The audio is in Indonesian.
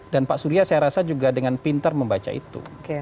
dan pak surya saya rasa juga dengan pintar membaca itu